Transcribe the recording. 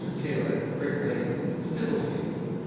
Taylor, Brick Lane, Spitalfields.